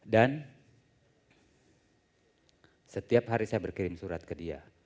dan setiap hari saya berkirim surat ke dia